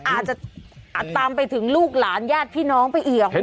อาจจะตามไปถึงลูกหลานญาติพี่น้องไปเหยื่อหวุด